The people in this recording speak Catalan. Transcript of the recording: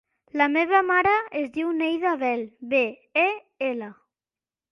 La meva mare es diu Neida Bel: be, e, ela.